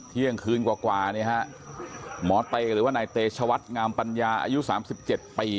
เที่ยงคืนกว่าหมอเต๋หรือว่านายเต๋ชวัตรงามปัญญาอายุ๓๗ปี